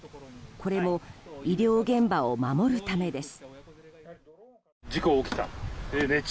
これも医療現場を守るためです。